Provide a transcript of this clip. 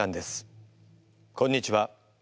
こんにちは。